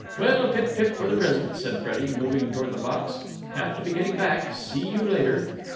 "Well, pip pip for the present," said Freddie, moving toward the box. "Have to be getting back. See you later."